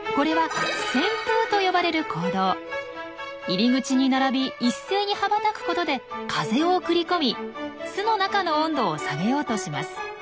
入り口に並び一斉に羽ばたくことで風を送り込み巣の中の温度を下げようとします。